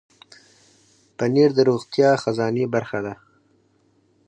پنېر د روغتیا خزانې برخه ده.